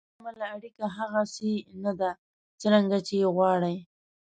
له همدې امله اړیکه هغسې نه ده څرنګه چې یې غواړئ.